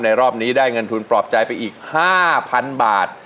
รอบนี้ได้เงินทุนปลอบใจไปอีก๕๐๐๐บาท